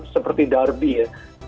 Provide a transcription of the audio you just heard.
seperti derby ya